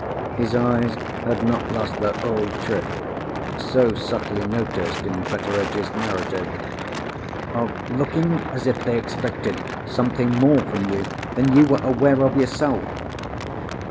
His eyes had not lost their old trick (so subtly noticed in Betteredge's Narrative) of "looking as if they expected something more from you than you were aware of yourself."